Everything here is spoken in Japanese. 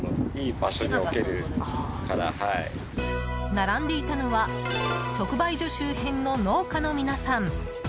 並んでいたのは直売所周辺の農家の皆さん。